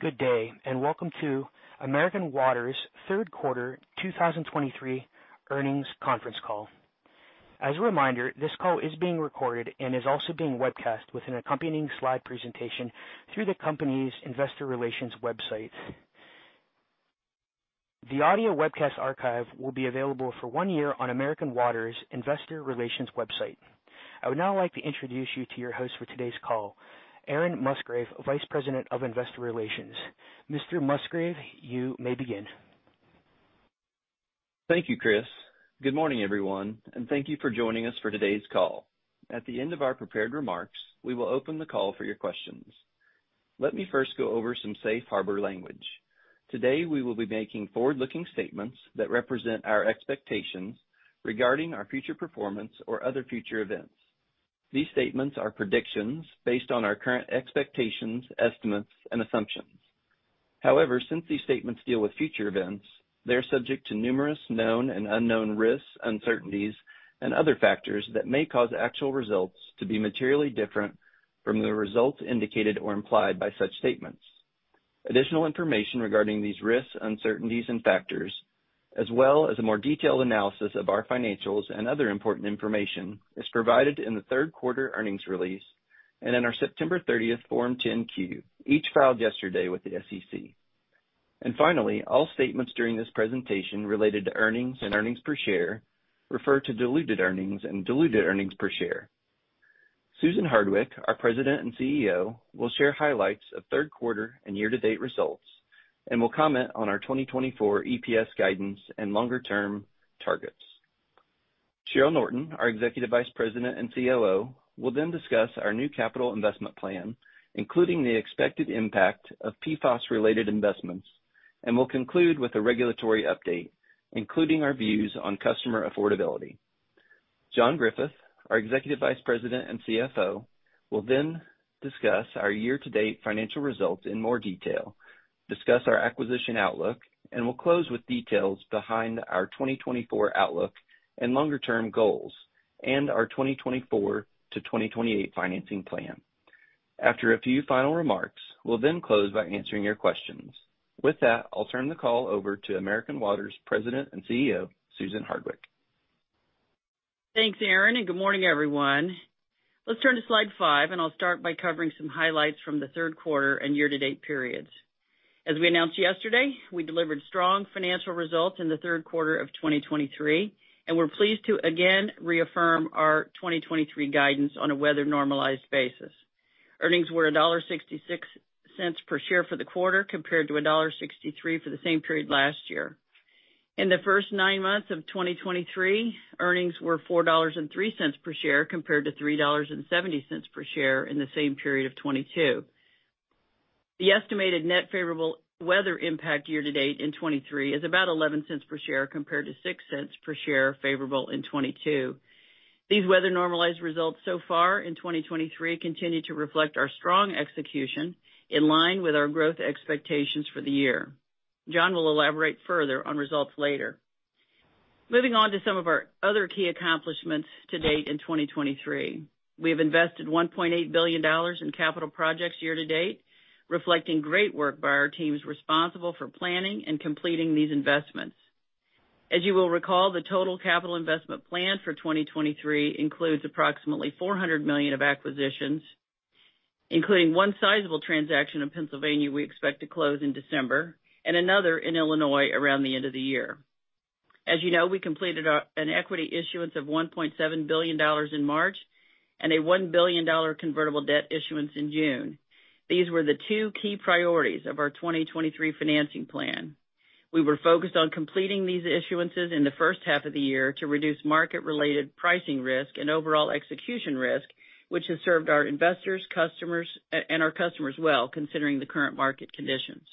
Good day, and welcome to American Water's third quarter 2023 earnings conference call. As a reminder, this call is being recorded and is also being webcast with an accompanying slide presentation through the company's investor relations website. The audio webcast archive will be available for one year on American Water's investor relations website. I would now like to introduce you to your host for today's call, Aaron Musgrave, Vice President of Investor Relations. Mr. Musgrave, you may begin. Thank you, Chris. Good morning, everyone, and thank you for joining us for today's call. At the end of our prepared remarks, we will open the call for your questions. Let me first go over some safe harbor language. Today, we will be making forward-looking statements that represent our expectations regarding our future performance or other future events. These statements are predictions based on our current expectations, estimates, and assumptions. However, since these statements deal with future events, they're subject to numerous known and unknown risks, uncertainties, and other factors that may cause actual results to be materially different from the results indicated or implied by such statements. Additional information regarding these risks, uncertainties and factors, as well as a more detailed analysis of our financials and other important information, is provided in the third quarter earnings release and in our September 30 Form 10-Q, each filed yesterday with the SEC. Finally, all statements during this presentation related to earnings and earnings per share refer to diluted earnings and diluted earnings per share. Susan Hardwick, our President and CEO, will share highlights of third quarter and year-to-date results, and will comment on our 2024 EPS guidance and longer-term targets. Cheryl Norton, our Executive Vice President and COO, will then discuss our new capital investment plan, including the expected impact of PFAS-related investments, and will conclude with a regulatory update, including our views on customer affordability. John Griffith, our Executive Vice President and CFO, will then discuss our year-to-date financial results in more detail, discuss our acquisition outlook, and will close with details behind our 2024 outlook and longer-term goals, and our 2024 to 2028 financing plan. After a few final remarks, we'll then close by answering your questions. With that, I'll turn the call over to American Water's President and CEO, Susan Hardwick. Thanks, Aaron, and good morning, everyone. Let's turn to slide five, and I'll start by covering some highlights from the third quarter and year-to-date periods. As we announced yesterday, we delivered strong financial results in the third quarter of 2023, and we're pleased to again reaffirm our 2023 guidance on a weather-normalized basis. Earnings were $1.66 per share for the quarter, compared to $1.63 for the same period last year. In the first 9 months of 2023, earnings were $4.03 per share, compared to $3.70 per share in the same period of 2022. The estimated net favorable weather impact year to date in 2023 is about $0.11 per share, compared to $0.06 per share favorable in 2022. These weather normalized results so far in 2023 continue to reflect our strong execution in line with our growth expectations for the year. John will elaborate further on results later. Moving on to some of our other key accomplishments to date in 2023. We have invested $1.8 billion in capital projects year to date, reflecting great work by our teams responsible for planning and completing these investments. As you will recall, the total capital investment plan for 2023 includes approximately $400 million of acquisitions, including one sizable transaction in Pennsylvania we expect to close in December, and another in Illinois around the end of the year. As you know, we completed an equity issuance of $1.7 billion in March and a one-billion-dollar convertible debt issuance in June. These were the two key priorities of our 2023 financing plan. We were focused on completing these issuances in the first half of the year to reduce market-related pricing risk and overall execution risk, which has served our investors, customers, and our customers well, considering the current market conditions.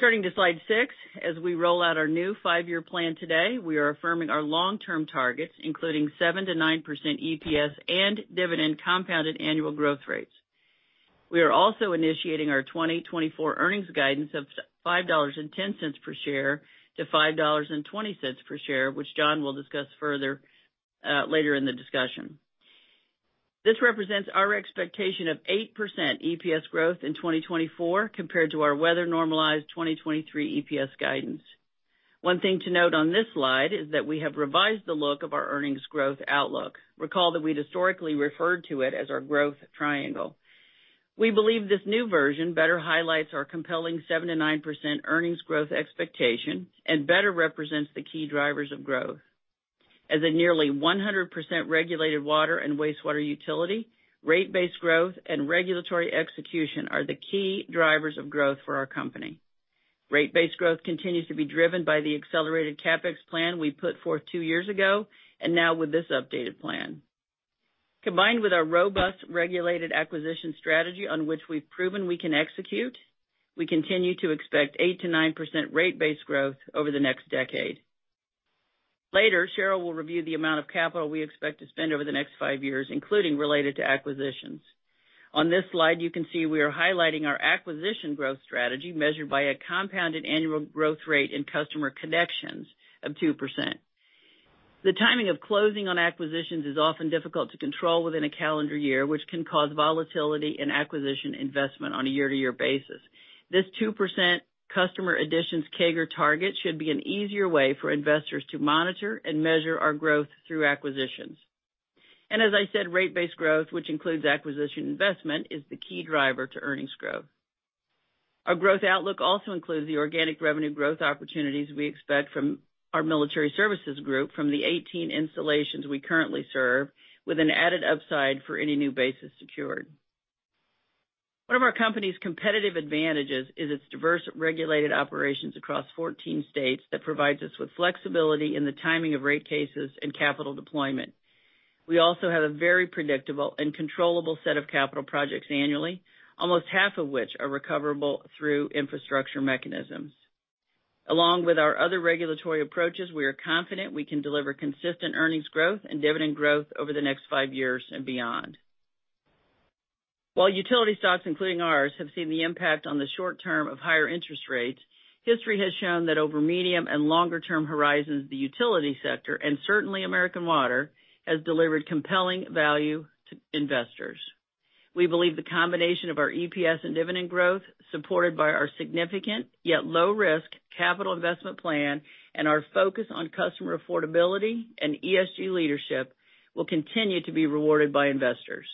Turning to slide six. As we roll out our new five-year plan today, we are affirming our long-term targets, including 7%-9% EPS and dividend compounded annual growth rates. We are also initiating our 2024 earnings guidance of $5.10 per share-$5.20 per share, which John will discuss further later in the discussion. This represents our expectation of 8% EPS growth in 2024 compared to our weather normalized 2023 EPS guidance. One thing to note on this slide is that we have revised the look of our earnings growth outlook. Recall that we'd historically referred to it as our growth triangle. We believe this new version better highlights our compelling 7%-9% earnings growth expectation and better represents the key drivers of growth. As a nearly 100% regulated water and wastewater utility, rate-based growth and regulatory execution are the key drivers of growth for our company. Rate-based growth continues to be driven by the accelerated CapEx plan we put forth two years ago, and now with this updated plan. Combined with our robust regulated acquisition strategy on which we've proven we can execute, we continue to expect 8%-9% rate-based growth over the next decade. Later, Cheryl will review the amount of capital we expect to spend over the next 5 years, including related to acquisitions. On this slide, you can see we are highlighting our acquisition growth strategy, measured by a compounded annual growth rate in customer connections of 2%....The timing of closing on acquisitions is often difficult to control within a calendar year, which can cause volatility in acquisition investment on a year-to-year basis. This 2% customer additions CAGR target should be an easier way for investors to monitor and measure our growth through acquisitions. And as I said, rate-based growth, which includes acquisition investment, is the key driver to earnings growth. Our growth outlook also includes the organic revenue growth opportunities we expect from our Military Services Group from the 18 installations we currently serve, with an added upside for any new bases secured. One of our company's competitive advantages is its diverse regulated operations across 14 states that provides us with flexibility in the timing of rate cases and capital deployment. We also have a very predictable and controllable set of capital projects annually, almost half of which are recoverable through infrastructure mechanisms. Along with our other regulatory approaches, we are confident we can deliver consistent earnings growth and dividend growth over the next five years and beyond. While utility stocks, including ours, have seen the impact on the short term of higher interest rates, history has shown that over medium and longer term horizons, the utility sector, and certainly American Water, has delivered compelling value to investors. We believe the combination of our EPS and dividend growth, supported by our significant, yet low risk, capital investment plan and our focus on customer affordability and ESG leadership, will continue to be rewarded by investors.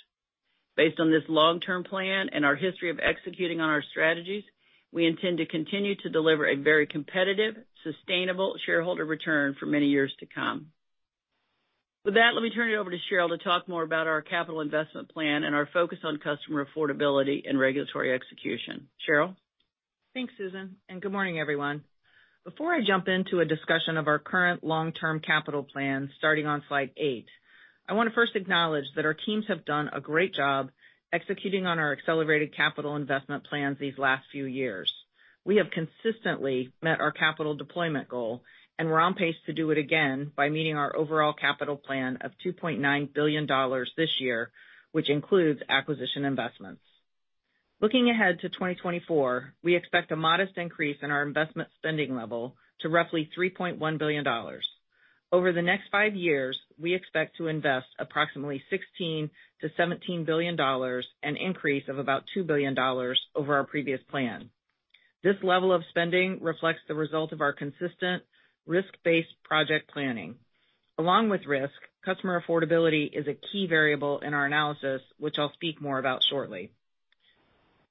Based on this long-term plan and our history of executing on our strategies, we intend to continue to deliver a very competitive, sustainable shareholder return for many years to come. With that, let me turn it over to Cheryl to talk more about our capital investment plan and our focus on customer affordability and regulatory execution. Cheryl? Thanks, Susan, and good morning, everyone. Before I jump into a discussion of our current long-term capital plan, starting on slide eight, I want to first acknowledge that our teams have done a great job executing on our accelerated capital investment plans these last few years. We have consistently met our capital deployment goal, and we're on pace to do it again by meeting our overall capital plan of $2.9 billion this year, which includes acquisition investments. Looking ahead to 2024, we expect a modest increase in our investment spending level to roughly $3.1 billion. Over the next five years, we expect to invest approximately $16 billion-$17 billion, an increase of about $2 billion over our previous plan. This level of spending reflects the result of our consistent risk-based project planning. Along with risk, customer affordability is a key variable in our analysis, which I'll speak more about shortly.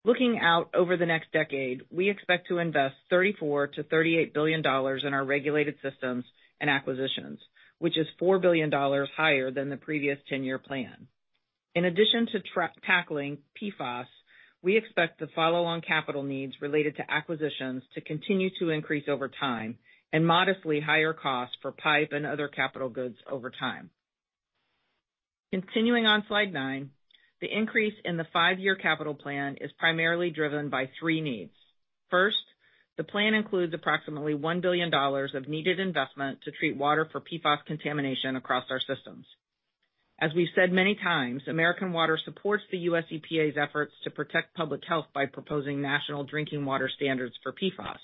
Looking out over the next decade, we expect to invest $34 billion-$38 billion in our regulated systems and acquisitions, which is $4 billion higher than the previous 10-year plan. In addition to tackling PFAS, we expect the follow-on capital needs related to acquisitions to continue to increase over time and modestly higher costs for pipe and other capital goods over time. Continuing on slide nine, the increase in the five-year capital plan is primarily driven by three needs. First, the plan includes approximately $1 billion of needed investment to treat water for PFAS contamination across our systems. As we've said many times, American Water supports the U.S. EPA's efforts to protect public health by proposing national drinking water standards for PFAS.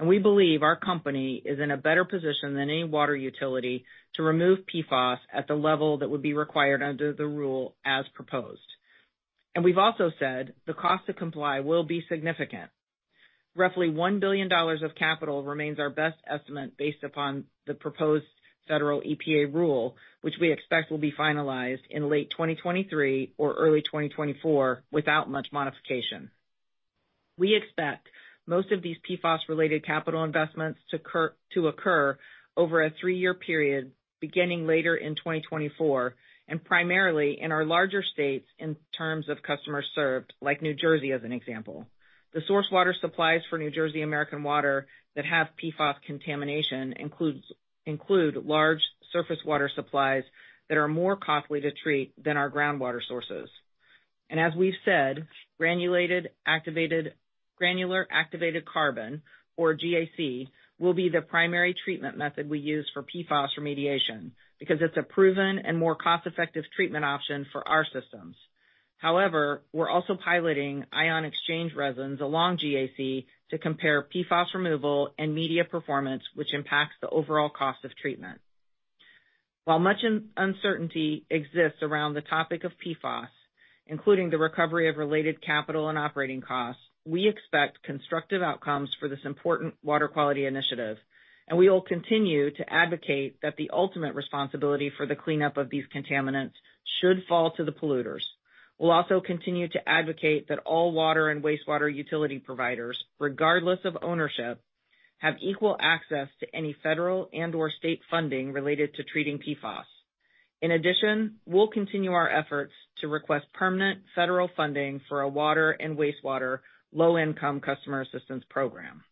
We believe our company is in a better position than any water utility to remove PFAS at the level that would be required under the rule as proposed. We've also said the cost to comply will be significant. Roughly $1 billion of capital remains our best estimate based upon the proposed federal EPA rule, which we expect will be finalized in late 2023 or early 2024 without much modification. We expect most of these PFAS-related capital investments to occur over a three-year period, beginning later in 2024, and primarily in our larger states in terms of customers served, like New Jersey, as an example. The source water supplies for New Jersey American Water that have PFAS contamination includes, include large surface water supplies that are more costly to treat than our groundwater sources. As we've said, granular activated carbon, or GAC, will be the primary treatment method we use for PFAS remediation because it's a proven and more cost-effective treatment option for our systems. However, we're also piloting ion exchange resins along GAC to compare PFAS removal and media performance, which impacts the overall cost of treatment. While much uncertainty exists around the topic of PFAS, including the recovery of related capital and operating costs, we expect constructive outcomes for this important water quality initiative, and we will continue to advocate that the ultimate responsibility for the cleanup of these contaminants should fall to the polluters. We'll also continue to advocate that all water and wastewater utility providers, regardless of ownership, have equal access to any federal and/or state funding related to treating PFAS. In addition, we'll continue our efforts to request permanent federal funding for a water and wastewater low-income customer assistance program.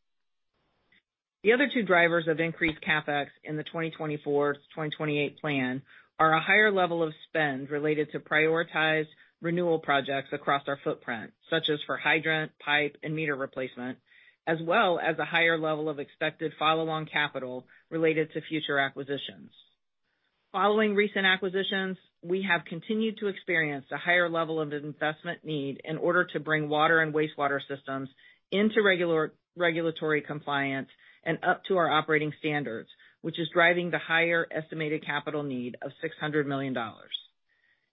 The other two drivers of increased CapEx in the 2024 to 2028 plan are a higher level of spend related to prioritized renewal projects across our footprint, such as for hydrant, pipe, and meter replacement, as well as a higher level of expected follow-on capital related to future acquisitions.... Following recent acquisitions, we have continued to experience a higher level of investment need in order to bring water and wastewater systems into regulatory compliance and up to our operating standards, which is driving the higher estimated capital need of $600 million.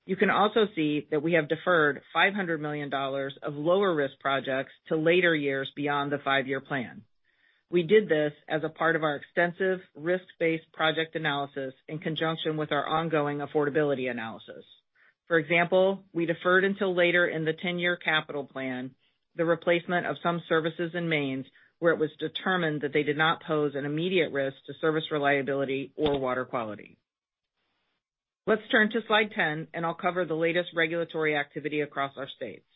You can also see that we have deferred $500 million of lower-risk projects to later years beyond the five-year plan. We did this as a part of our extensive risk-based project analysis in conjunction with our ongoing affordability analysis. For example, we deferred until later in the 10-year capital plan, the replacement of some services and mains, where it was determined that they did not pose an immediate risk to service reliability or water quality. Let's turn to slide 10, and I'll cover the latest regulatory activity across our states.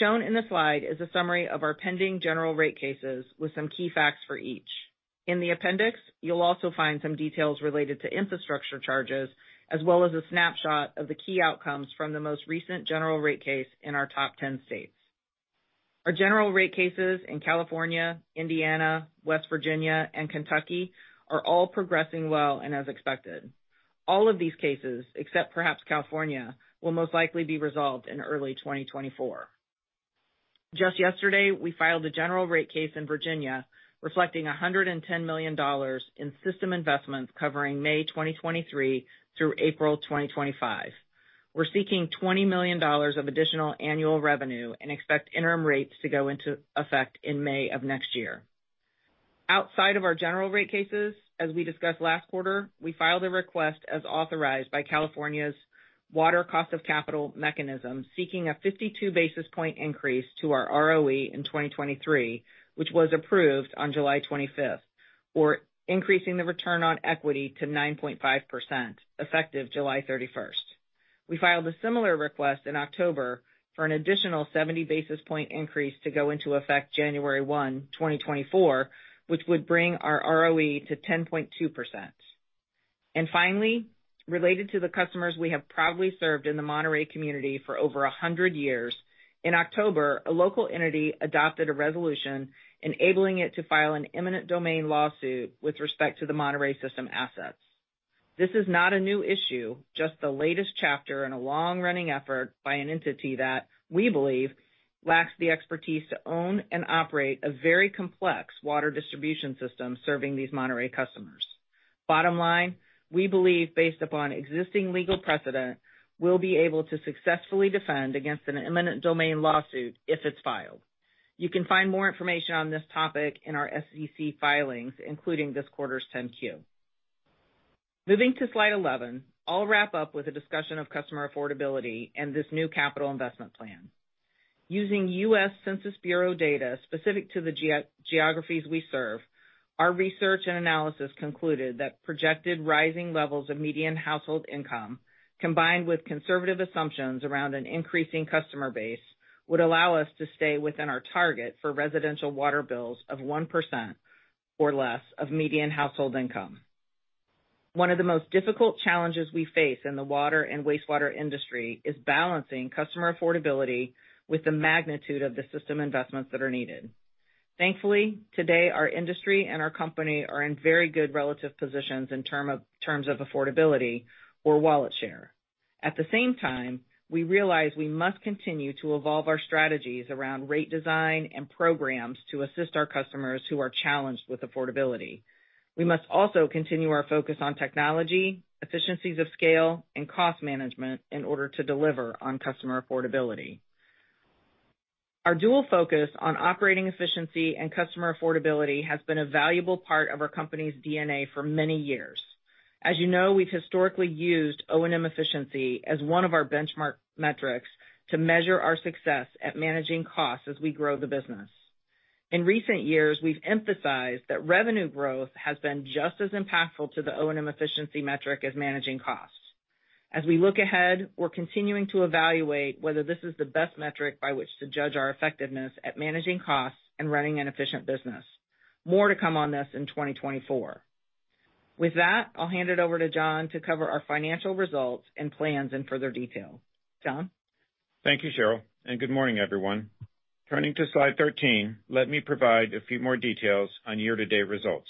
Shown in the slide is a summary of our pending general rate cases, with some key facts for each. In the appendix, you'll also find some details related to infrastructure charges, as well as a snapshot of the key outcomes from the most recent general rate case in our top 10 states. Our general rate cases in California, Indiana, West Virginia, and Kentucky are all progressing well and as expected. All of these cases, except perhaps California, will most likely be resolved in early 2024. Just yesterday, we filed a general rate case in Virginia, reflecting $110 million in system investments covering May 2023 through April 2025. We're seeking $20 million of additional annual revenue and expect interim rates to go into effect in May of next year. Outside of our general rate cases, as we discussed last quarter, we filed a request as authorized by California's Water Cost of Capital Mechanism, seeking a 52 basis point increase to our ROE in 2023, which was approved on July 25th, or increasing the return on equity to 9.5%, effective July 31st. We filed a similar request in October for an additional 70 basis point increase to go into effect January 1, 2024, which would bring our ROE to 10.2%. Finally, related to the customers we have proudly served in the Monterey community for over 100 years, in October, a local entity adopted a resolution enabling it to file an eminent domain lawsuit with respect to the Monterey system assets. This is not a new issue, just the latest chapter in a long-running effort by an entity that, we believe, lacks the expertise to own and operate a very complex water distribution system serving these Monterey customers. Bottom line, we believe, based upon existing legal precedent, we'll be able to successfully defend against an eminent domain lawsuit if it's filed. You can find more information on this topic in our SEC filings, including this quarter's 10-Q. Moving to slide 11, I'll wrap up with a discussion of customer affordability and this new capital investment plan. Using U.S. Census Bureau data specific to the geographies we serve, our research and analysis concluded that projected rising levels of median household income, combined with conservative assumptions around an increasing customer base, would allow us to stay within our target for residential water bills of 1% or less of median household income. One of the most difficult challenges we face in the water and wastewater industry is balancing customer affordability with the magnitude of the system investments that are needed. Thankfully, today, our industry and our company are in very good relative positions in terms of affordability or wallet share. At the same time, we realize we must continue to evolve our strategies around rate design and programs to assist our customers who are challenged with affordability. We must also continue our focus on technology, efficiencies of scale, and cost management in order to deliver on customer affordability. Our dual focus on operating efficiency and customer affordability has been a valuable part of our company's DNA for many years. As you know, we've historically used O&M efficiency as one of our benchmark metrics to measure our success at managing costs as we grow the business. In recent years, we've emphasized that revenue growth has been just as impactful to the O&M efficiency metric as managing costs. As we look ahead, we're continuing to evaluate whether this is the best metric by which to judge our effectiveness at managing costs and running an efficient business. More to come on this in 2024. With that, I'll hand it over to John to cover our financial results and plans in further detail. John? Thank you, Cheryl, and good morning, everyone. Turning to slide 13, let me provide a few more details on year-to-date results.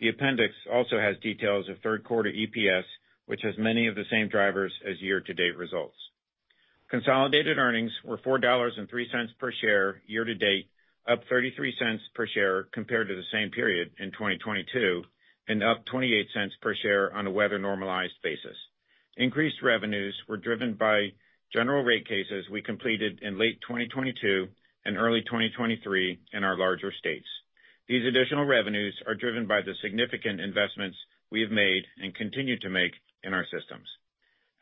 The appendix also has details of third quarter EPS, which has many of the same drivers as year-to-date results. Consolidated earnings were $4.03 per share year-to-date, up $0.33 per share compared to the same period in 2022, and up $0.28 per share on a weather normalized basis. Increased revenues were driven by general rate cases we completed in late 2022 and early 2023 in our larger states. These additional revenues are driven by the significant investments we have made and continue to make in our systems.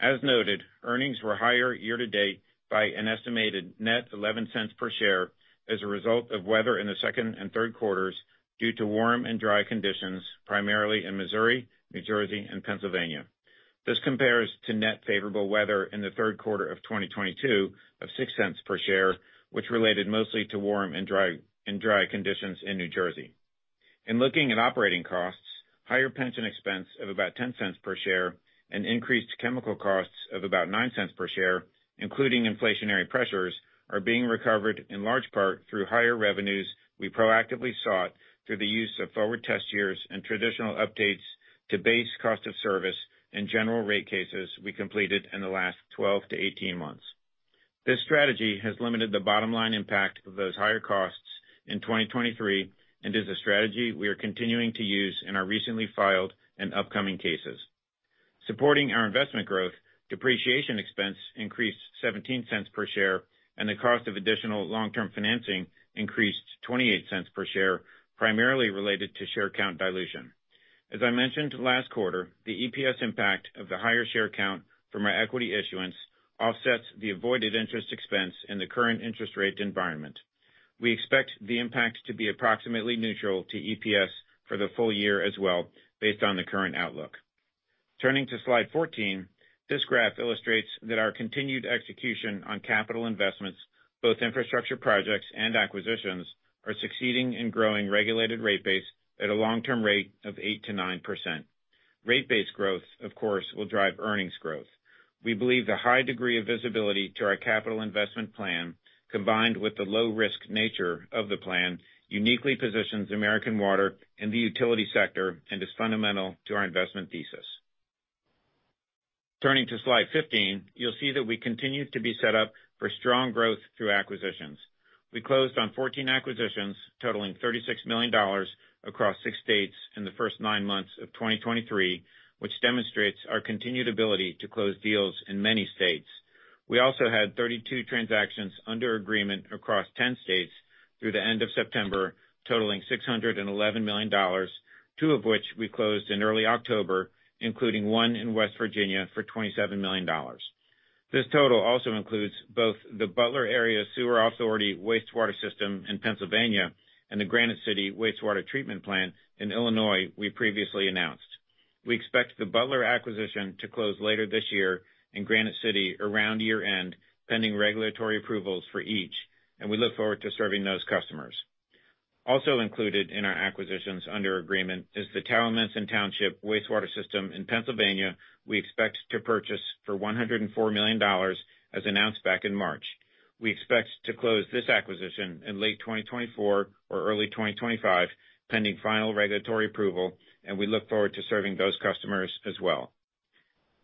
As noted, earnings were higher year to date by an estimated net $0.11 per share as a result of weather in the second and third quarters due to warm and dry conditions, primarily in Missouri, New Jersey, and Pennsylvania. This compares to net favorable weather in the third quarter of 2022 of $0.06 per share, which related mostly to warm and dry conditions in New Jersey. In looking at operating costs, higher pension expense of about $0.10 per share and increased chemical costs of about $0.09 per share, including inflationary pressures, are being recovered in large part through higher revenues we proactively sought through the use of forward test years and traditional updates to base cost of service and general rate cases we completed in the last 12-18 months. This strategy has limited the bottom-line impact of those higher costs in 2023 and is a strategy we are continuing to use in our recently filed and upcoming cases. Supporting our investment growth, depreciation expense increased $0.17 per share, and the cost of additional long-term financing increased $0.28 per share, primarily related to share count dilution. As I mentioned last quarter, the EPS impact of the higher share count from our equity issuance offsets the avoided interest expense in the current interest rate environment. We expect the impact to be approximately neutral to EPS for the full year as well, based on the current outlook. Turning to slide 14, this graph illustrates that our continued execution on capital investments, both infrastructure projects and acquisitions, are succeeding in growing regulated rate base at a long-term rate of 8%-9%. Rate base growth, of course, will drive earnings growth. We believe the high degree of visibility to our capital investment plan, combined with the low-risk nature of the plan, uniquely positions American Water in the utility sector and is fundamental to our investment thesis. Turning to slide 15, you'll see that we continue to be set up for strong growth through acquisitions. We closed on 14 acquisitions totaling $36 million across 6 states in the first nine months of 2023, which demonstrates our continued ability to close deals in many states. We also had 32 transactions under agreement across 10 states through the end of September, totaling $611 million, two of which we closed in early October, including one in West Virginia for $27 million. This total also includes both the Butler Area Sewer Authority wastewater system in Pennsylvania and the Granite City Wastewater Treatment Plant in Illinois we previously announced. We expect the Butler acquisition to close later this year in Granite City around year-end, pending regulatory approvals for each, and we look forward to serving those customers. Also included in our acquisitions under agreement is the Towamencin Township wastewater system in Pennsylvania we expect to purchase for $104 million, as announced back in March. We expect to close this acquisition in late 2024 or early 2025, pending final regulatory approval, and we look forward to serving those customers as well.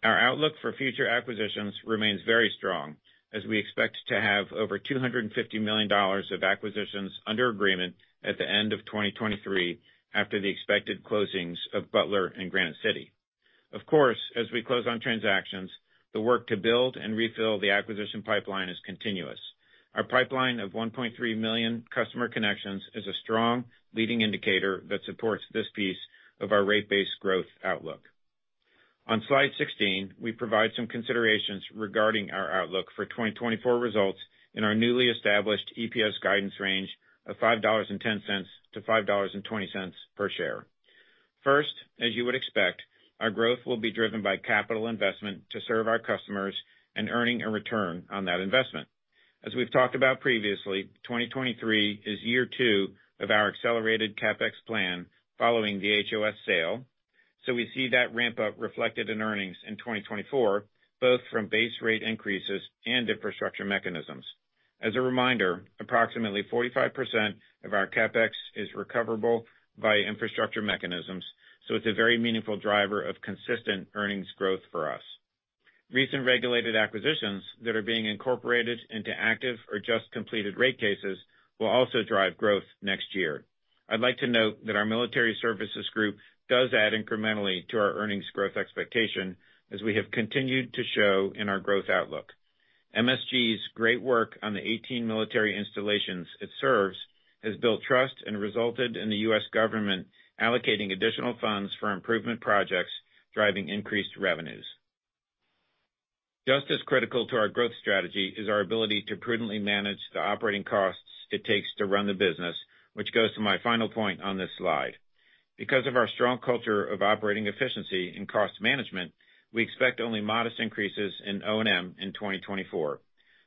Our outlook for future acquisitions remains very strong, as we expect to have over $250 million of acquisitions under agreement at the end of 2023 after the expected closings of Butler and Granite City. Of course, as we close on transactions, the work to build and refill the acquisition pipeline is continuous. Our pipeline of 1.3 million customer connections is a strong leading indicator that supports this piece of our rate-based growth outlook. On slide 16, we provide some considerations regarding our outlook for 2024 results in our newly established EPS guidance range of $5.10-$5.20 per share. First, as you would expect, our growth will be driven by capital investment to serve our customers and earning a return on that investment. As we've talked about previously, 2023 is year two of our accelerated CapEx plan following the HOS sale, so we see that ramp-up reflected in earnings in 2024, both from base rate increases and infrastructure mechanisms. As a reminder, approximately 45% of our CapEx is recoverable by infrastructure mechanisms, so it's a very meaningful driver of consistent earnings growth for us. Recent regulated acquisitions that are being incorporated into active or just completed rate cases will also drive growth next year. I'd like to note that our Military Services Group does add incrementally to our earnings growth expectation, as we have continued to show in our growth outlook. MSG's great work on the 18 military installations it serves has built trust and resulted in the U.S. government allocating additional funds for improvement projects, driving increased revenues. Just as critical to our growth strategy is our ability to prudently manage the operating costs it takes to run the business, which goes to my final point on this slide. Because of our strong culture of operating efficiency and cost management, we expect only modest increases in O&M in 2024.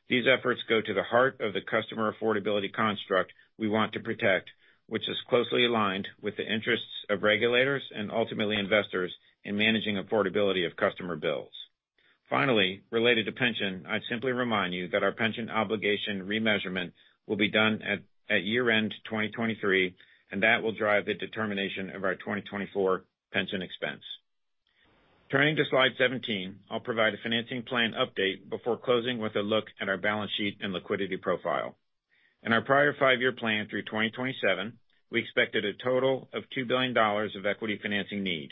These efforts go to the heart of the customer affordability construct we want to protect, which is closely aligned with the interests of regulators and ultimately investors in managing affordability of customer bills. Finally, related to pension, I'd simply remind you that our pension obligation remeasurement will be done at year-end 2023, and that will drive the determination of our 2024 pension expense. Turning to slide 17, I'll provide a financing plan update before closing with a look at our balance sheet and liquidity profile. In our prior five-year plan through 2027, we expected a total of $2 billion of equity financing need.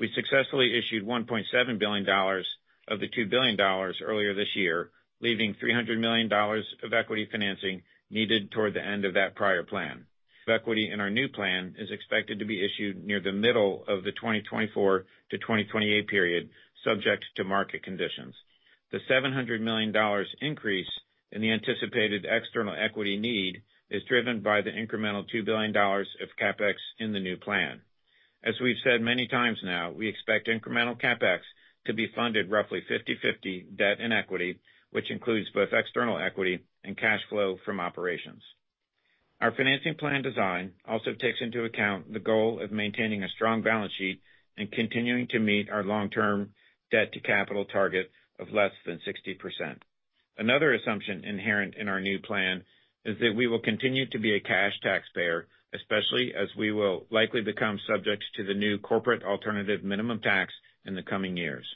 We successfully issued $1.7 billion of the $2 billion earlier this year, leaving $300 million of equity financing needed toward the end of that prior plan. Equity in our new plan is expected to be issued near the middle of the 2024-2028 period, subject to market conditions. The $700 million increase in the anticipated external equity need is driven by the incremental $2 billion of CapEx in the new plan. As we've said many times now, we expect incremental CapEx to be funded roughly 50/50 debt and equity, which includes both external equity and cash flow from operations. Our financing plan design also takes into account the goal of maintaining a strong balance sheet and continuing to meet our long-term debt to capital target of less than 60%. Another assumption inherent in our new plan is that we will continue to be a cash taxpayer, especially as we will likely become subject to the new corporate alternative minimum tax in the coming years.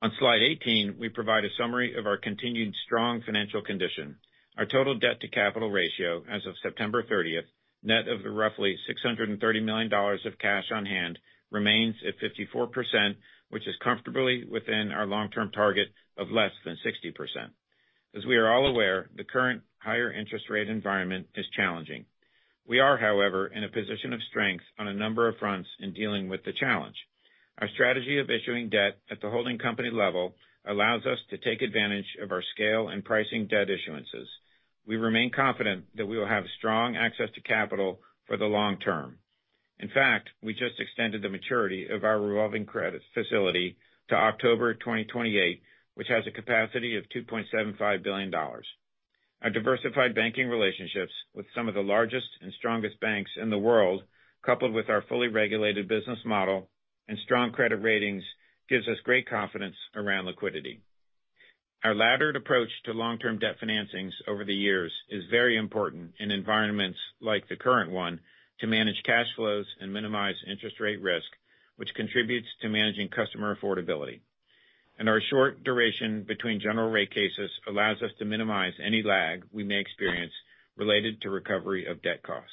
On slide 18, we provide a summary of our continued strong financial condition. Our total debt-to-capital ratio as of September 30, net of the roughly $630 million of cash on hand, remains at 54%, which is comfortably within our long-term target of less than 60%. As we are all aware, the current higher interest rate environment is challenging. We are, however, in a position of strength on a number of fronts in dealing with the challenge. Our strategy of issuing debt at the holding company level allows us to take advantage of our scale in pricing debt issuances. We remain confident that we will have strong access to capital for the long term. In fact, we just extended the maturity of our revolving credit facility to October 2028, which has a capacity of $2.75 billion. Our diversified banking relationships with some of the largest and strongest banks in the world, coupled with our fully regulated business model and strong credit ratings, gives us great confidence around liquidity. Our laddered approach to long-term debt financings over the years is very important in environments like the current one, to manage cash flows and minimize interest rate risk, which contributes to managing customer affordability. Our short duration between general rate cases allows us to minimize any lag we may experience related to recovery of debt costs.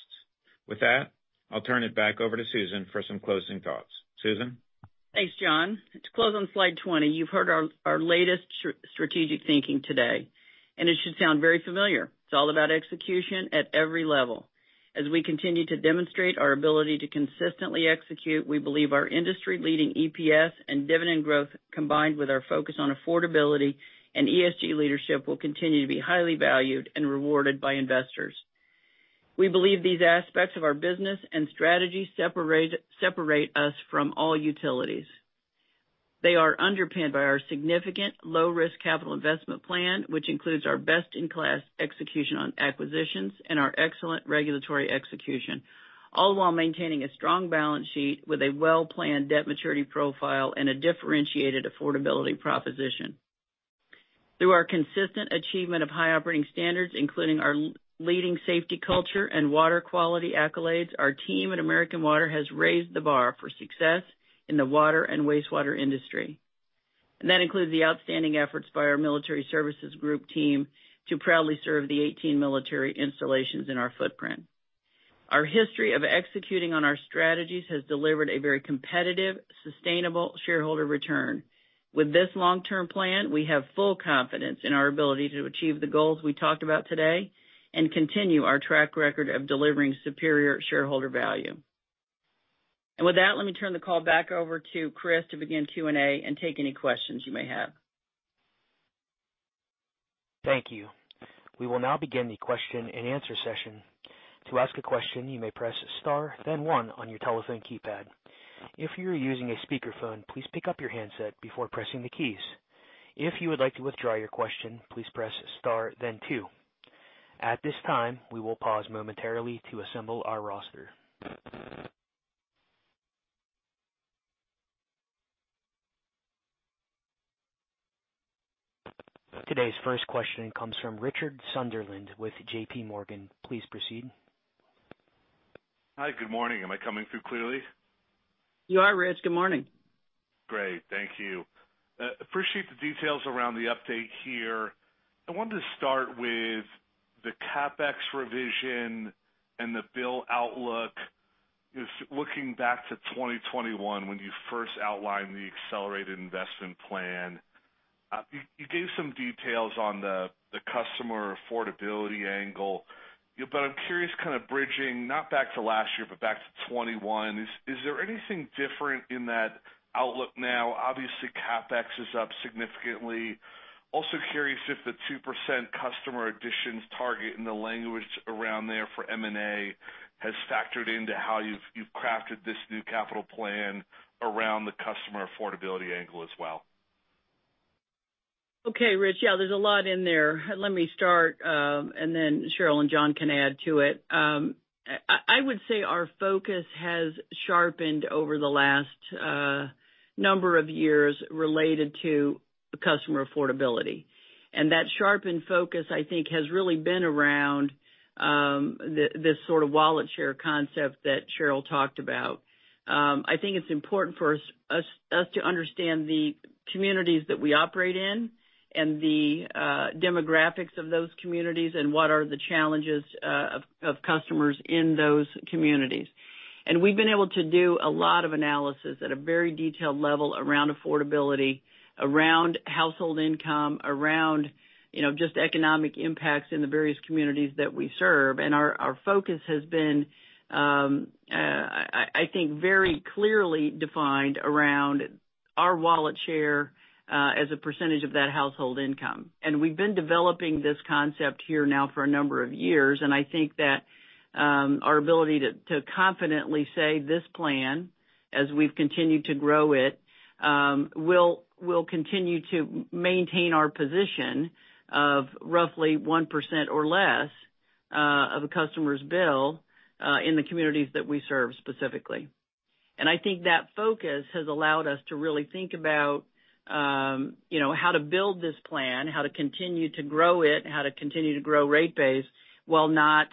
With that, I'll turn it back over to Susan for some closing thoughts. Susan? Thanks, John. To close on slide 20, you've heard our latest strategic thinking today, and it should sound very familiar. It's all about execution at every level. As we continue to demonstrate our ability to consistently execute, we believe our industry-leading EPS and dividend growth, combined with our focus on affordability and ESG leadership, will continue to be highly valued and rewarded by investors. We believe these aspects of our business and strategy separate us from all utilities. They are underpinned by our significant low-risk capital investment plan, which includes our best-in-class execution on acquisitions and our excellent regulatory execution, all while maintaining a strong balance sheet with a well-planned debt maturity profile and a differentiated affordability proposition. Through our consistent achievement of high operating standards, including our leading safety culture and water quality accolades, our team at American Water has raised the bar for success in the water and wastewater industry. That includes the outstanding efforts by our military services group team to proudly serve the 18 military installations in our footprint. Our history of executing on our strategies has delivered a very competitive, sustainable shareholder return. With this long-term plan, we have full confidence in our ability to achieve the goals we talked about today and continue our track record of delivering superior shareholder value. With that, let me turn the call back over to Chris to begin Q&A and take any questions you may have. Thank you. We will now begin the question-and-answer session. To ask a question, you may press star, then one on your telephone keypad. If you are using a speakerphone, please pick up your handset before pressing the keys. If you would like to withdraw your question, please press star then two. At this time, we will pause momentarily to assemble our roster. Today's first question comes from Richard Sunderland with JPMorgan. Please proceed. Hi, good morning. Am I coming through clearly? You are, Rich. Good morning. Great, thank you. Appreciate the details around the update here. I wanted to start with the CapEx revision and the bill outlook. Just looking back to 2021, when you first outlined the accelerated investment plan, you gave some details on the customer affordability angle. But I'm curious, kind of bridging, not back to last year, but back to 2021, is there anything different in that outlook now? Obviously, CapEx is up significantly. Also curious if the 2% customer additions target and the language around there for M&A has factored into how you've crafted this new capital plan around the customer affordability angle as well. Okay, Rich. Yeah, there's a lot in there. Let me start, and then Cheryl and John can add to it. I would say our focus has sharpened over the last number of years related to customer affordability. And that sharpened focus, I think, has really been around this sort of wallet share concept that Cheryl talked about. I think it's important for us to understand the communities that we operate in and the demographics of those communities, and what are the challenges of customers in those communities. And we've been able to do a lot of analysis at a very detailed level around affordability, around household income, around, you know, just economic impacts in the various communities that we serve. Our focus has been, I think, very clearly defined around our wallet share, as a percentage of that household income. We've been developing this concept here now for a number of years, and I think that our ability to confidently say this plan, as we've continued to grow it, will continue to maintain our position of roughly 1% or less, of a customer's bill, in the communities that we serve specifically. I think that focus has allowed us to really think about, you know, how to build this plan, how to continue to grow it, how to continue to grow rate base, while not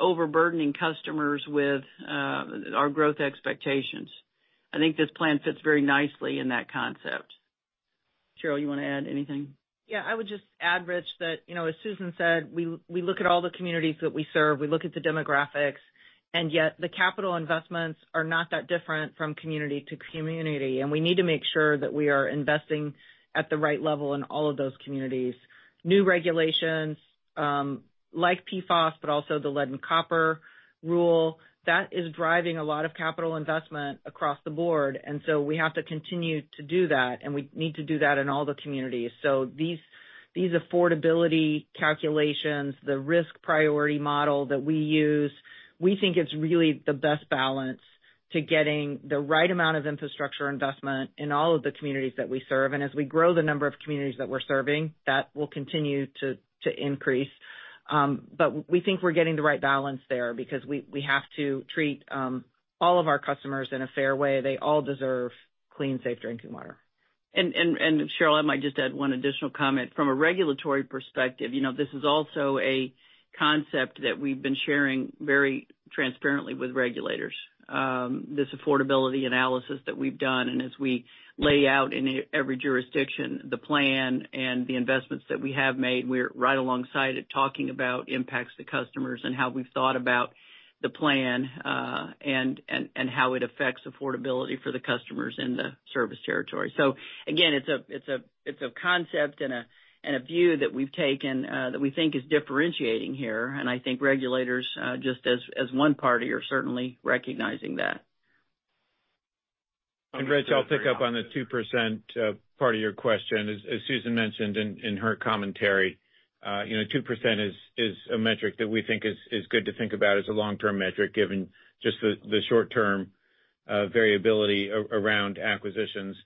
overburdening customers with our growth expectations. I think this plan fits very nicely in that concept. Cheryl, you want to add anything? Yeah, I would just add, Rich, that, you know, as Susan said, we look at all the communities that we serve. We look at the demographics, and yet the capital investments are not that different from community to community, and we need to make sure that we are investing at the right level in all of those communities. New regulations, like PFAS, but also the Lead and Copper Rule, that is driving a lot of capital investment across the board, and so we have to continue to do that, and we need to do that in all the communities. So these affordability calculations, the risk priority model that we use, we think it's really the best balance to getting the right amount of infrastructure investment in all of the communities that we serve. As we grow the number of communities that we're serving, that will continue to increase. But we think we're getting the right balance there because we have to treat all of our customers in a fair way. They all deserve clean, safe drinking water. And Cheryl, I might just add one additional comment. From a regulatory perspective, you know, this is also a concept that we've been sharing very transparently with regulators, this affordability analysis that we've done. And as we lay out in every jurisdiction, the plan and the investments that we have made, we're right alongside it, talking about impacts to customers and how we've thought about the plan, and how it affects affordability for the customers in the service territory. So again, it's a concept and a view that we've taken, that we think is differentiating here. And I think regulators, just as one party, are certainly recognizing that. Rich, I'll pick up on the 2%, part of your question. As Susan mentioned in her commentary, you know, 2% is a metric that we think is good to think about as a long-term metric, given just the short-term variability around acquisitions.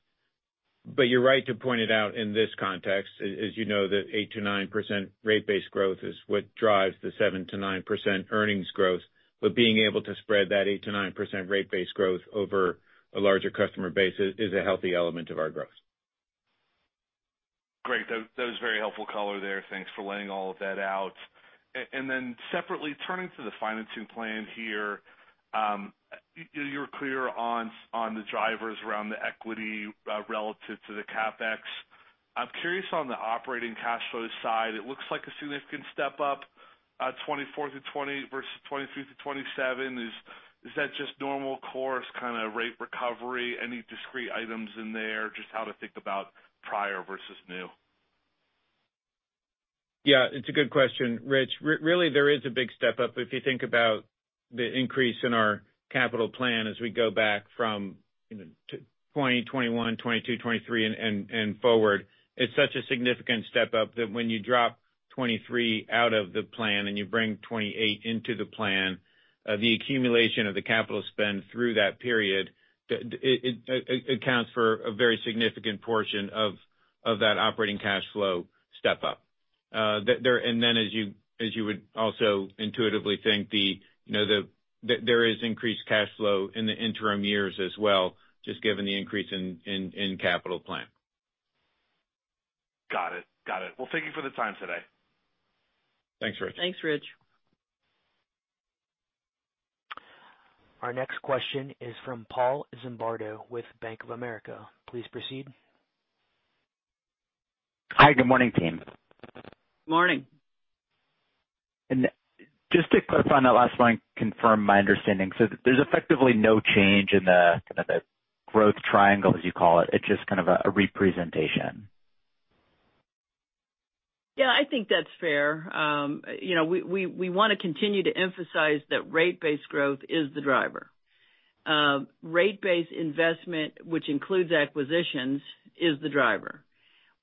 But you're right to point it out in this context, as you know, that 8%-9% rate base growth is what drives the 7%-9% earnings growth. But being able to spread that 8%-9% rate base growth over a larger customer base is a healthy element of our growth. Great. That was very helpful color there. Thanks for laying all of that out. And then separately, turning to the financing plan here, you were clear on the drivers around the equity relative to the CapEx. I'm curious on the operating cash flow side, it looks like a significant step up, 2024-2030 versus 2023-2027. Is that just normal course, kind of, rate recovery? Any discrete items in there? Just how to think about prior versus new. Yeah, it's a good question, Rich. Really, there is a big step up if you think about the increase in our capital plan as we go back from, you know, to 2020, 2021, 2022, 2023, and forward. It's such a significant step up that when you drop 2023 out of the plan and you bring 2028 into the plan, the accumulation of the capital spend through that period, it accounts for a very significant portion of that operating cash flow step up. And then as you would also intuitively think, you know, there is increased cash flow in the interim years as well, just given the increase in capital plan. Got it. Got it. Well, thank you for the time today. Thanks, Rich. Thanks, Rich. Our next question is from Paul Zimbardo with Bank of America. Please proceed. Hi, good morning, team. Morning. Just to clarify on that last point, confirm my understanding. So there's effectively no change in the, kind of, the growth triangle, as you call it, it's just kind of a, a representation? Yeah, I think that's fair. You know, we want to continue to emphasize that rate base growth is the driver. Rate base investment, which includes acquisitions, is the driver.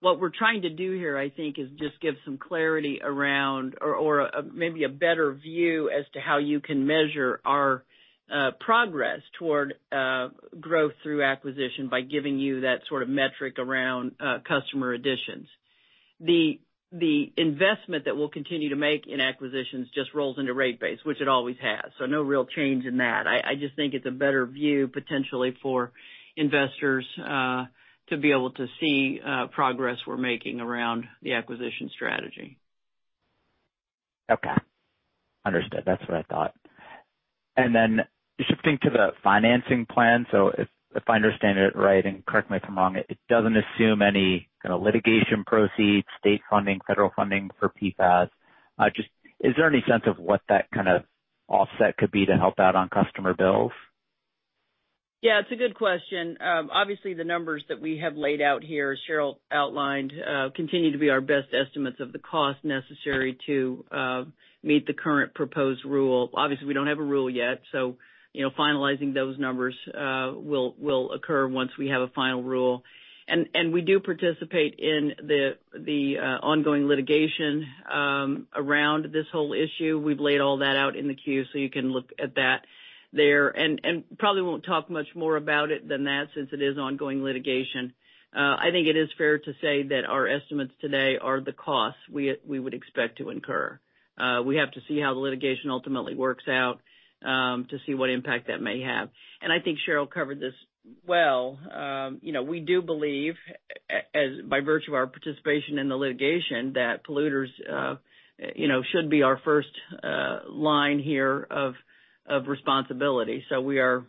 What we're trying to do here, I think, is just give some clarity around, or maybe a better view as to how you can measure our progress toward growth through acquisition by giving you that sort of metric around customer additions. The investment that we'll continue to make in acquisitions just rolls into rate base, which it always has, so no real change in that. I just think it's a better view potentially for investors to be able to see progress we're making around the acquisition strategy. Okay. Understood. That's what I thought. And then shifting to the financing plan. So if I understand it right, and correct me if I'm wrong, it doesn't assume any kind of litigation proceeds, state funding, federal funding for PFAS. Just, is there any sense of what that kind of offset could be to help out on customer bills? Yeah, it's a good question. Obviously, the numbers that we have laid out here, as Cheryl outlined, continue to be our best estimates of the cost necessary to meet the current proposed rule. Obviously, we don't have a rule yet, so, you know, finalizing those numbers will occur once we have a final rule. And we do participate in the ongoing litigation around this whole issue. We've laid all that out in the Q, so you can look at that there. And probably won't talk much more about it than that since it is ongoing litigation. I think it is fair to say that our estimates today are the costs we would expect to incur. We have to see how the litigation ultimately works out to see what impact that may have. I think Cheryl covered this well. You know, we do believe, as by virtue of our participation in the litigation, that polluters, you know, should be our first line here of responsibility. So we are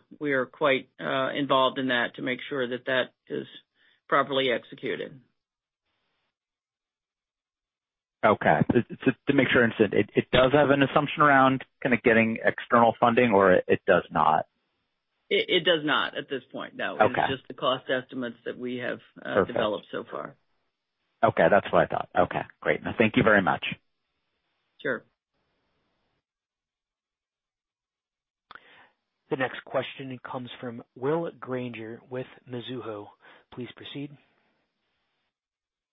quite involved in that to make sure that that is properly executed. Okay. Just, just to make sure I understand, it, it does have an assumption around kind of getting external funding or it does not? It does not at this point, no. Okay. It's just the cost estimates that we have. Perfect. Developed so far. Okay. That's what I thought. Okay, great. Thank you very much. Sure. The next question comes from Will Granger with Mizuho. Please proceed.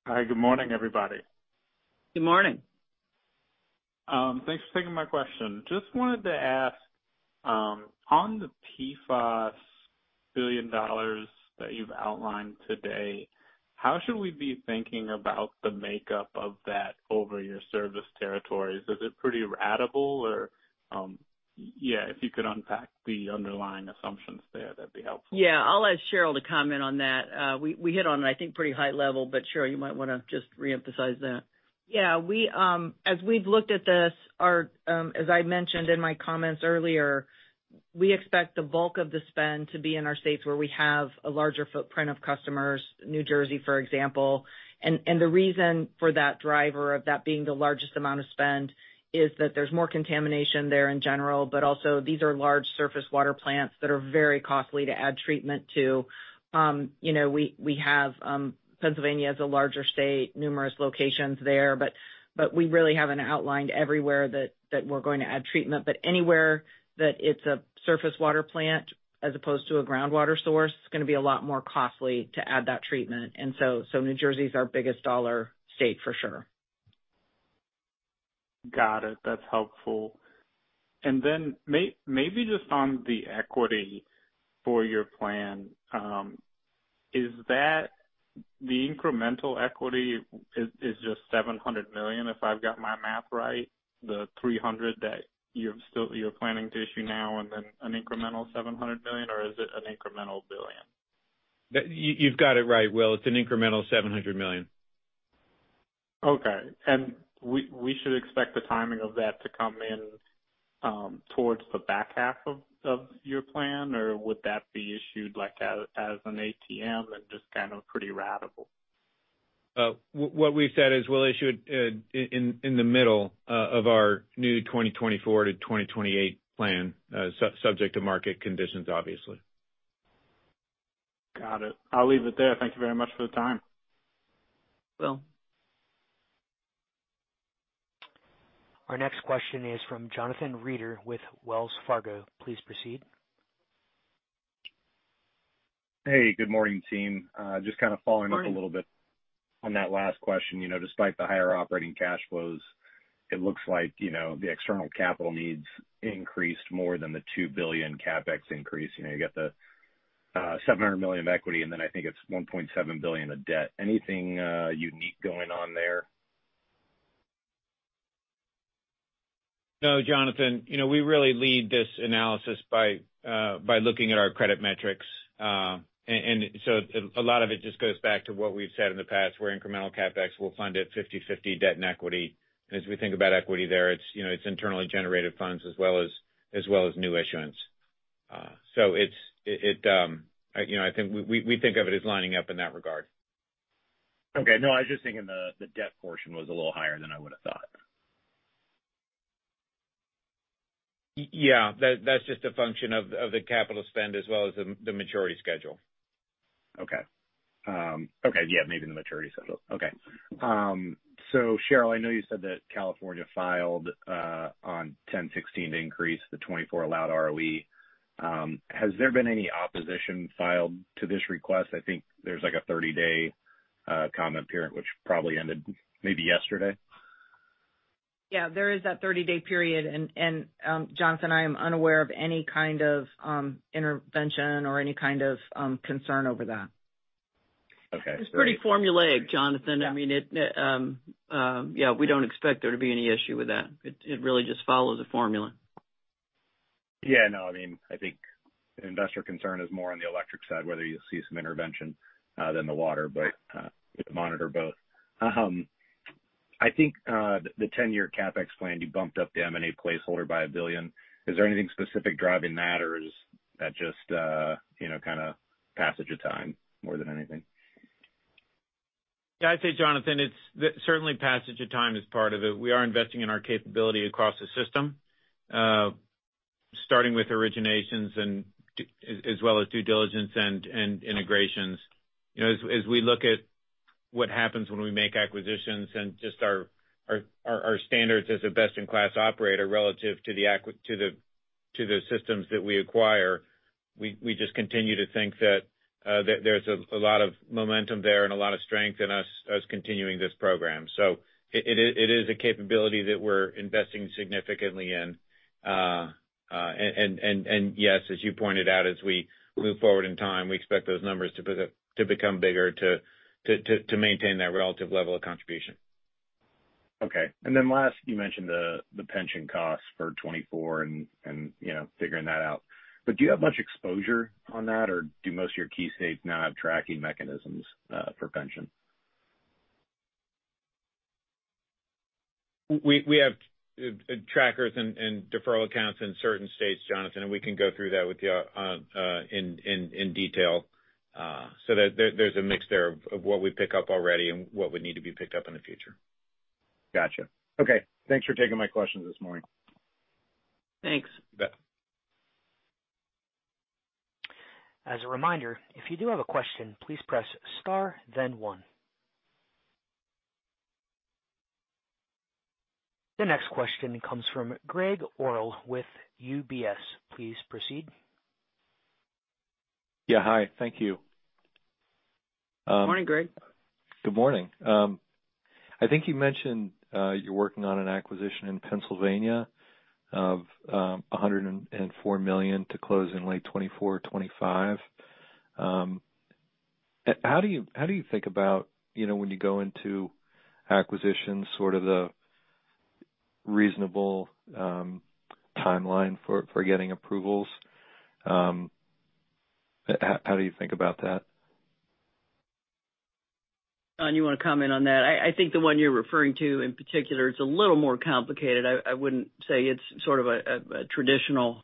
Hi, good morning, everybody. Good morning. Thanks for taking my question. Just wanted to ask, on the PFAS $1 billion that you've outlined today, how should we be thinking about the makeup of that over your service territories? Is it pretty ratable or, yeah, if you could unpack the underlying assumptions there, that'd be helpful. Yeah, I'll ask Cheryl to comment on that. We hit on it, I think, pretty high level, but Cheryl, you might want to just reemphasize that. Yeah, we, as we've looked at this, our, as I mentioned in my comments earlier, we expect the bulk of the spend to be in our states where we have a larger footprint of customers, New Jersey, for example. And, and the reason for that driver of that being the largest amount of spend is that there's more contamination there in general, but also these are large surface water plants that are very costly to add treatment to. You know, we, we have, Pennsylvania is a larger state, numerous locations there, but, but we really haven't outlined everywhere that, that we're going to add treatment. But anywhere that it's a surface water plant as opposed to a groundwater source, it's going to be a lot more costly to add that treatment. And so, so New Jersey is our biggest dollar state for sure. Got it. That's helpful. And then maybe just on the equity for your plan, is that the incremental equity is just $700 million, if I've got my math right? The $300 that you're still planning to issue now, and then an incremental $700 million, or is it an incremental $1 billion? You, you've got it right, Will. It's an incremental $700 million. Okay. And we should expect the timing of that to come in towards the back half of your plan? Or would that be issued, like, as an ATM and just kind of pretty ratable? What we've said is we'll issue it in the middle of our new 2024 to 2028 plan, subject to market conditions, obviously. Got it. I'll leave it there. Thank you very much for the time. Will. Our next question is from Jonathan Reeder with Wells Fargo. Please proceed. Hey, good morning, team. Just kind of following up. Good morning. A little bit on that last question. You know, despite the higher operating cash flows, it looks like, you know, the external capital needs increased more than the $2 billion CapEx increase. You know, you got the $700 million of equity, and then I think it's $1.7 billion of debt. Anything unique going on there? No, Jonathan, you know, we really lead this analysis by looking at our credit metrics. And so a lot of it just goes back to what we've said in the past, where incremental CapEx will fund it 50/50 debt and equity. As we think about equity there, it's, you know, it's internally generated funds as well as new issuance. So it's you know, I think we think of it as lining up in that regard. Okay. No, I was just thinking the debt portion was a little higher than I would've thought. Yeah, that's just a function of the capital spend as well as the maturity schedule. Okay. Okay, yeah, maybe the maturity schedule. Okay. So Cheryl, I know you said that California filed on 10/16/2024 to increase the 2024 allowed ROE. Has there been any opposition filed to this request? I think there's, like, a 30-day comment period, which probably ended maybe yesterday. Yeah, there is that 30-day period. And Jonathan, I am unaware of any kind of intervention or any kind of concern over that. Okay. It's pretty formulaic, Jonathan. Yeah. I mean, yeah, we don't expect there to be any issue with that. It really just follows a formula. Yeah, no, I mean, I think investor concern is more on the electric side, whether you'll see some intervention, than the water, but, we monitor both. I think, the ten-year CapEx plan, you bumped up the M&A placeholder by $1 billion. Is there anything specific driving that, or is that just, you know, kind of passage of time more than anything? Yeah, I'd say, Jonathan, it's certainly passage of time is part of it. We are investing in our capability across the system, starting with originations and due diligence and integrations. You know, as we look at what happens when we make acquisitions and just our standards as a best-in-class operator relative to the systems that we acquire, we just continue to think that there's a lot of momentum there and a lot of strength in us continuing this program. So it is a capability that we're investing significantly in. Yes, as you pointed out, as we move forward in time, we expect those numbers to become bigger to maintain that relative level of contribution. Okay. And then last, you mentioned the pension costs for 2024 and, you know, figuring that out. But do you have much exposure on that, or do most of your key states now have tracking mechanisms for pension? We have trackers and deferral accounts in certain states, Jonathan, and we can go through that with you in detail. So there's a mix there of what we pick up already and what would need to be picked up in the future. Gotcha. Okay, thanks for taking my questions this morning. Thanks. You bet. As a reminder, if you do have a question, please press star, then one. The next question comes from Gregg Orrill with UBS. Please proceed. Yeah, hi. Thank you, Morning, Gregg. Good morning. I think you mentioned you're working on an acquisition in Pennsylvania of $104 million to close in late 2024, 2025. How do you, how do you think about, you know, when you go into acquisitions, sort of the reasonable timeline for, for getting approvals? How, how do you think about that? John, you want to comment on that? I think the one you're referring to in particular, it's a little more complicated. I wouldn't say it's sort of a traditional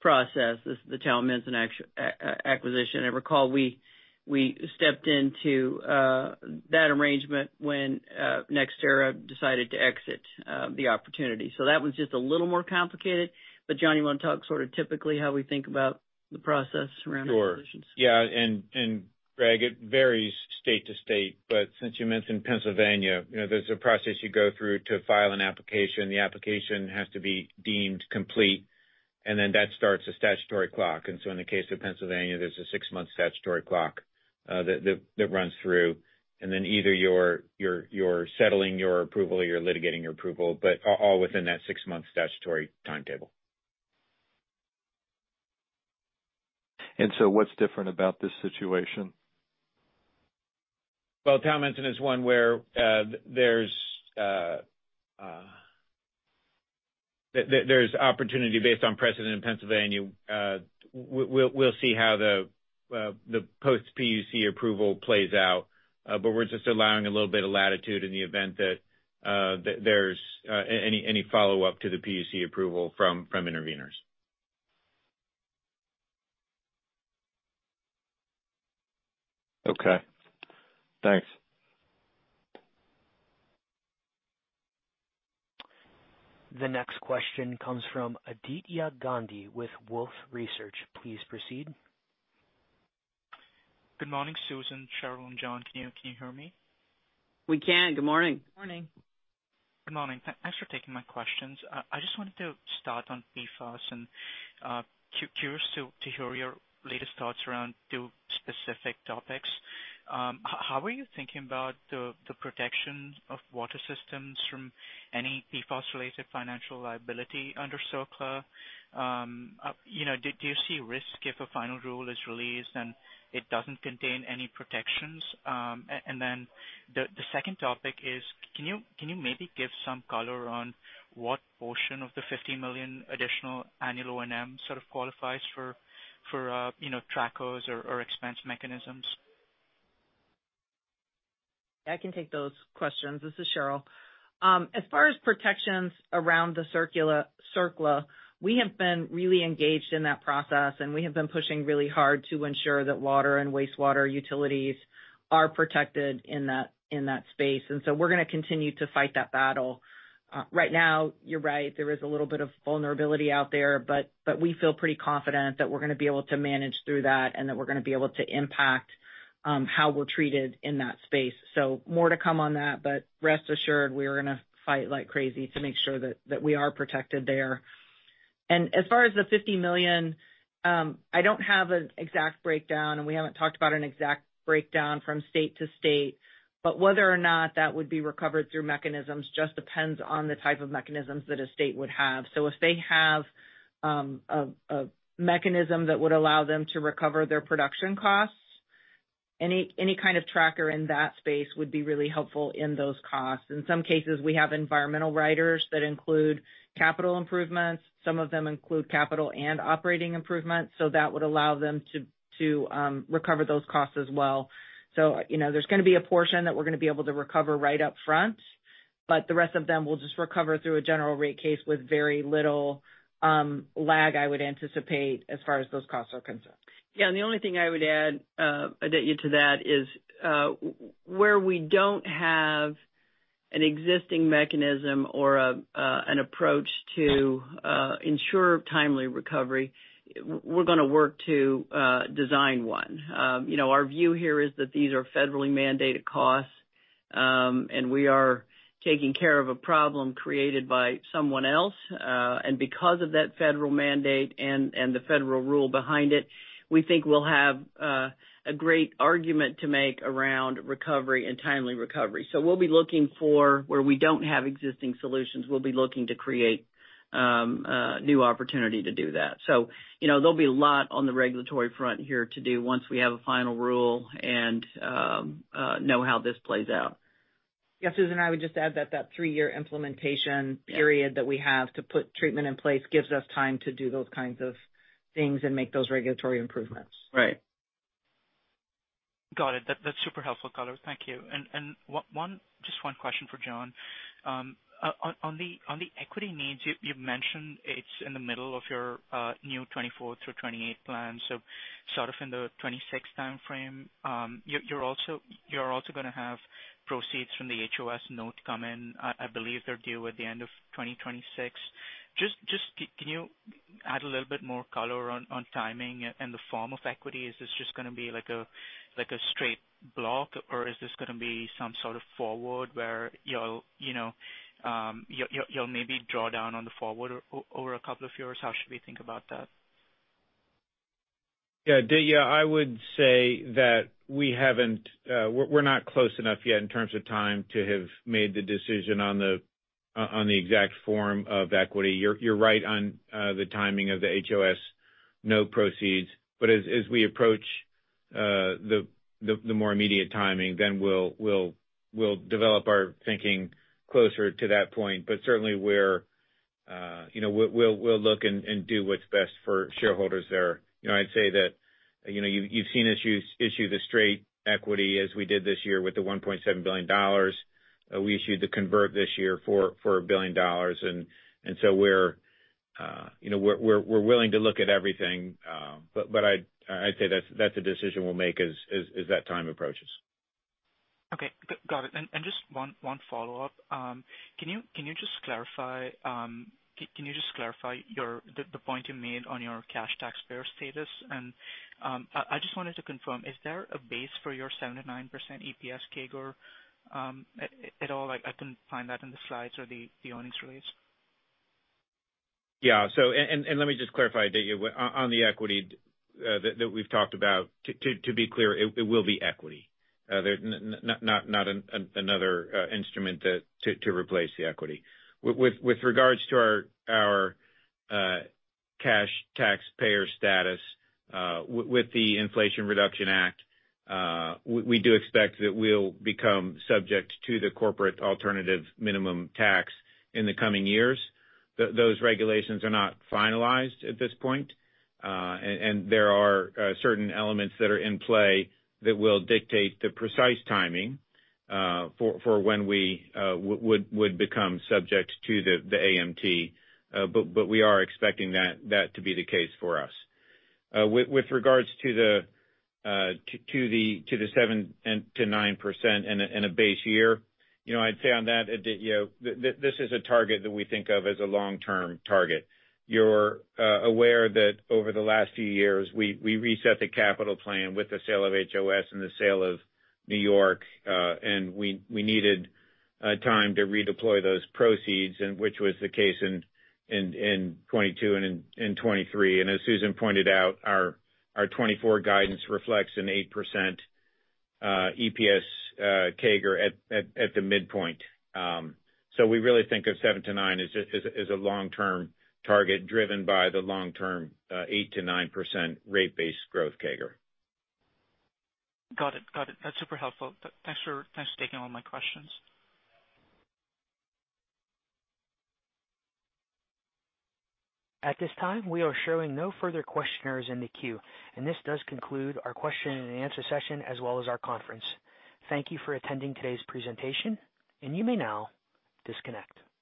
process, this is the Towamencin acquisition. I recall we stepped into that arrangement when NextEra decided to exit the opportunity. So that one's just a little more complicated. But John, you want to talk sort of typically how we think about the process around acquisitions? Sure. Yeah, and Gregg, it varies state to state, but since you mentioned Pennsylvania, you know, there's a process you go through to file an application. The application has to be deemed complete, and then that starts a statutory clock. And so in the case of Pennsylvania, there's a 6-month statutory clock that runs through. And then either you're settling your approval or you're litigating your approval, but all within that six-month statutory timetable. What's different about this situation? Well, Towamencin is one where there's opportunity based on precedent in Pennsylvania. We'll see how the post PUC approval plays out, but we're just allowing a little bit of latitude in the event that there's any follow-up to the PUC approval from interveners. Okay. Thanks. The next question comes from Aditya Gandhi with Wolfe Research. Please proceed. Good morning, Susan, Cheryl, and John. Can you hear me? We can. Good morning. Morning. Good morning. Thanks for taking my questions. I just wanted to start on PFAS and curious to hear your latest thoughts around two specific topics. How are you thinking about the protection of water systems from any PFAS-related financial liability under CERCLA? You know, do you see risk if a final rule is released, and it doesn't contain any protections? And then the second topic is, can you maybe give some color on what portion of the $50 million additional annual O&M sort of qualifies for you know, trackers or expense mechanisms? I can take those questions. This is Cheryl. As far as protections around the CERCLA, we have been really engaged in that process, and we have been pushing really hard to ensure that water and wastewater utilities are protected in that, in that space, and so we're gonna continue to fight that battle. Right now, you're right, there is a little bit of vulnerability out there, but we feel pretty confident that we're gonna be able to manage through that and that we're gonna be able to impact how we're treated in that space. So more to come on that, but rest assured, we are gonna fight like crazy to make sure that we are protected there. As far as the $50 million, I don't have an exact breakdown, and we haven't talked about an exact breakdown from state to state, but whether or not that would be recovered through mechanisms just depends on the type of mechanisms that a state would have. So if they have a mechanism that would allow them to recover their production costs, any kind of tracker in that space would be really helpful in those costs. In some cases, we have environmental riders that include capital improvements. Some of them include capital and operating improvements, so that would allow them to recover those costs as well. So, you know, there's gonna be a portion that we're gonna be able to recover right up front, but the rest of them will just recover through a general rate case with very little lag, I would anticipate, as far as those costs are concerned. Yeah, and the only thing I would add, Aditya, to that is, where we don't have an existing mechanism or an approach to ensure timely recovery, we're gonna work to design one. You know, our view here is that these are federally mandated costs, and we are taking care of a problem created by someone else, and because of that federal mandate and the federal rule behind it, we think we'll have a great argument to make around recovery and timely recovery. So we'll be looking for where we don't have existing solutions, we'll be looking to create new opportunity to do that. So, you know, there'll be a lot on the regulatory front here to do once we have a final rule and know how this plays out. Yeah, Susan, I would just add that, that three-year implementation period. Yeah. That we have to put treatment in place gives us time to do those kinds of things and make those regulatory improvements. Right. Got it. That's super helpful color. Thank you. And one, just one question for John. On the equity needs, you've mentioned it's in the middle of your new 2024 through 2028 plan. So sort of in the 2026 timeframe, you're also gonna have proceeds from the HOS note come in. I believe they're due at the end of 2026. Just can you add a little bit more color on timing and the form of equity? Is this just gonna be like a straight block, or is this gonna be some sort of forward where you'll, you know, you'll maybe draw down on the forward over a couple of years? How should we think about that? Yeah, Aditya, I would say that we haven't, we're not close enough yet in terms of time to have made the decision on the exact form of equity. You're right on the timing of the HOS note proceeds. But as we approach the more immediate timing, then we'll develop our thinking closer to that point. But certainly we're, you know, we'll look and do what's best for shareholders there. You know, I'd say that, you know, you've seen us issue the straight equity as we did this year with the $1.7 billion. We issued the convert this year for $1 billion, and so we're, you know, we're willing to look at everything. But I'd say that's a decision we'll make as that time approaches. Okay. Got it. And just one follow-up. Can you just clarify the point you made on your cash taxpayer status? And I just wanted to confirm, is there a base for your 79% EPS CAGR at all? Like, I couldn't find that in the slides or the earnings release. Yeah. So let me just clarify, Aditya, on the equity that we've talked about, to be clear, it will be equity. Not another instrument to replace the equity. With regards to our cash taxpayer status, with the Inflation Reduction Act, we do expect that we'll become subject to the corporate alternative minimum tax in the coming years. Those regulations are not finalized at this point, and there are certain elements that are in play that will dictate the precise timing for when we would become subject to the AMT. But we are expecting that to be the case for us. With regards to the 7%-9% and a base year, you know, I'd say on that, this is a target that we think of as a long-term target. You're aware that over the last few years, we reset the capital plan with the sale of HOS and the sale of New York, and we needed time to redeploy those proceeds, and which was the case in 2022 and 2023. And as Susan pointed out, our 2024 guidance reflects an 8% EPS CAGR at the midpoint. So we really think of 7%-9% as a long-term target, driven by the long-term 8%-9% rate-based growth CAGR. Got it. Got it. That's super helpful. Thanks for taking all my questions. At this time, we are showing no further questioners in the queue, and this does conclude our question-and-answer session, as well as our conference. Thank you for attending today's presentation, and you may now disconnect.